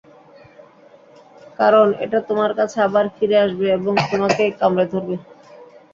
কারণ, এটা তোমার কাছে আবার ফিরে আসবে এবং তোমাকেই কামড়ে ধরবে।